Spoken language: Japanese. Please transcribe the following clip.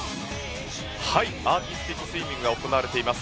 アーティスティックスイミングが行われています